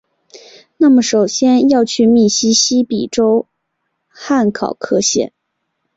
那么首先要去密西西比州汉考克县！